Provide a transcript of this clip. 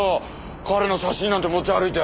彼の写真なんて持ち歩いて。